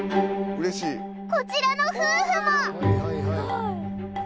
こちらの夫婦も！